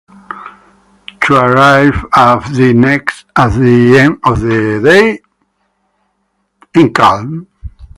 Clear eyes of the next of the end of the day, because.